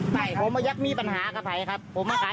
ถ้าเกิดเขามาจอดขวางหน้าบ้านแล้วก็ขายของมาได้